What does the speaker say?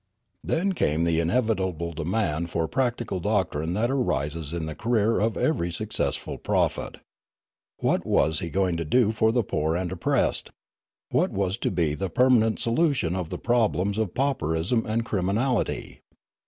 " Then came the inevitable demand for practical doctrine that arises in the career of every successful prophet. What was he going to do for the poor and oppressed ? What was to be the permanent solution of the problems of pauperism and criminality